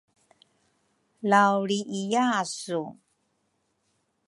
laulriiyasu.